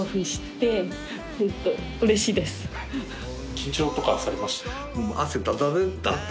緊張とかされました？